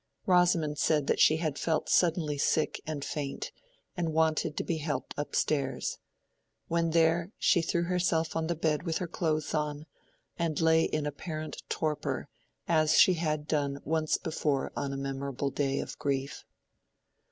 Rosamond said that she had felt suddenly sick and faint, and wanted to be helped up stairs. When there she threw herself on the bed with her clothes on, and lay in apparent torpor, as she had done once before on a memorable day of grief.